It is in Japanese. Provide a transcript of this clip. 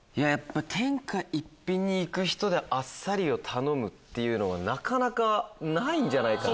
天下一品に行く人であっさりを頼むっていうのがなかなかないんじゃないかな。